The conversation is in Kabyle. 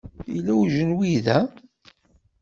Yella ujenwi da.